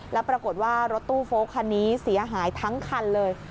แล้วปรากฏว่ารถตู้โฟลกคันนี้เสียหายทั้งคันเลย